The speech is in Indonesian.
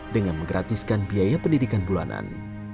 dengan menggratiskan biaya pendidikan bulanan